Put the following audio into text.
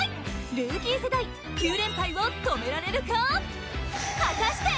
ルーキー世代９連敗を止められるか？